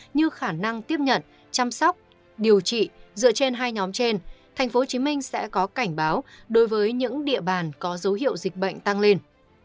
như khả năng tiếp nhận chăm sóc điều trị dựa trên hai nhóm trên tp hcm sẽ có cảnh báo đối với những địa bàn có dấu hiệu dịch bệnh tăng lên